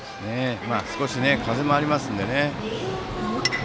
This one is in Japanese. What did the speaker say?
少し風もありますので。